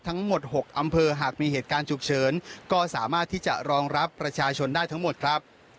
ทั้งหมด๖อำเภอหากมีเหตุการณ์ฉุกเฉินก็สามารถที่จะรองรับประชาชนได้ทั้งหมดครับ